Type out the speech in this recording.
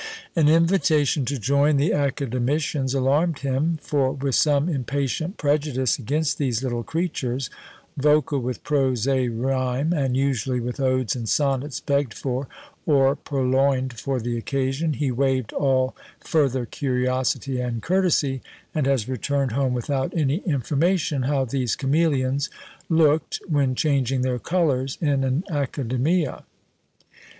An invitation to join the academicians alarmed him, for with some impatient prejudice against these little creatures, vocal with prose e rime, and usually with odes and sonnets begged for, or purloined for the occasion, he waived all further curiosity and courtesy, and has returned home without any information how these "Cameleons" looked, when changing their colours in an "accademia."